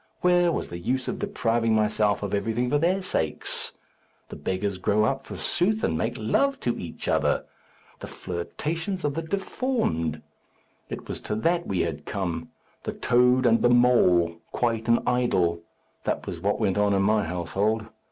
Where was the use of depriving myself of everything for their sakes? The beggars grow up, forsooth, and make love to each other. The flirtations of the deformed! It was to that we had come. The toad and the mole; quite an idyl! That was what went on in my household.